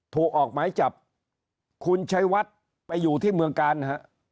ถูกออกหมายจับคุณชัยวัดไปอยู่ที่เมืองกาลฮะ